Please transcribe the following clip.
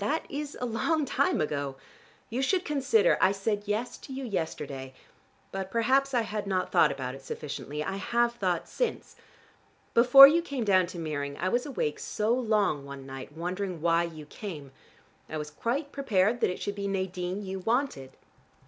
That is a long time ago. You should consider. I said 'yes' to you yesterday, but perhaps I had not thought about it sufficiently. I have thought since. Before you came down to Meering I was awake so long one night, wondering why you came. I was quite prepared that it should be Nadine you wanted.